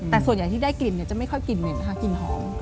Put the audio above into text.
แต่ส่วนใหญ่ที่ได้กลิ่นจะไม่ค่อยกลิ่นเหม็นค่ะกลิ่นหอม